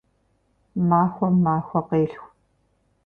Махуэм махуэ къелъху.